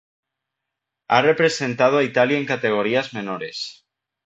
Ha representado a Italia en categorías menores.